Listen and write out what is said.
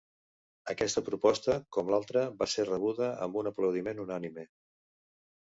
Aquesta proposta, com l'altra, va ser rebuda amb un aplaudiment unànime.